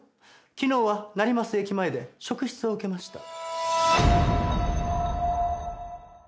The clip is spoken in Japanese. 昨日は成増駅前で職質を受けました。